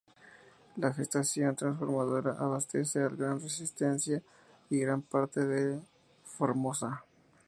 La estación transformadora abastece al Gran Resistencia y gran parte de Formosa.